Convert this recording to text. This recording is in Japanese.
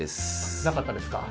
なかったですか。